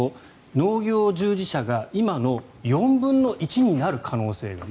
農業従事者が今の４分の１になる可能性がある。